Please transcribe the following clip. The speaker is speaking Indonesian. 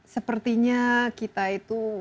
sepertinya kita itu